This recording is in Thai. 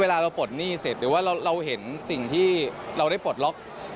เวลาเราปลดหนี้เสร็จหรือว่าเราเห็นสิ่งที่เราได้ปลดล็อก